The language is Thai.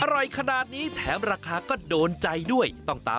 อร่อยขนาดนี้แถมราคาก็โดนใจด้วยต้องตาม